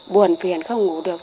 buồn phiền không ngủ được rồi